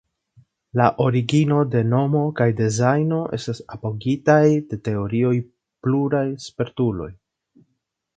La origino de nomo kaj dezajno estas apogitaj de teorioj pluraj spertuloj.